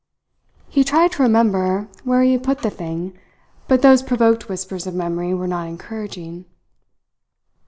He tried to remember where he had put the thing; but those provoked whispers of memory were not encouraging.